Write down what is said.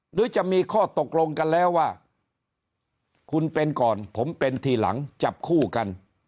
หรือจะมีข้อตกลงกันแล้วว่าคุณเป็นก่อนผมเป็นทีหลังจับคู่กัน